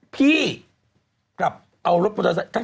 พี่กลับเอารถโปรโตรไซค์